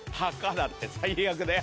だって最悪だよ